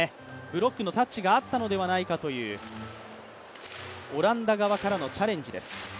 ブロックのタッチがあったのではないかという、オランダ側からのチャレンジです。